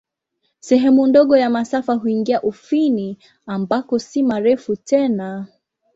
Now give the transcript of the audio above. Sehemu ndogo ya masafa huingia Ufini, ambako si marefu tena.